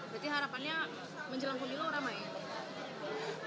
berarti harapannya menjelang pemilu ramai ya